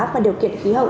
và điều kiện khí hậu